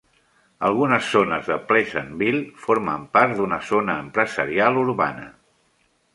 Algunes zones de Pleasantville formen part d'una Zona Empresarial Urbana.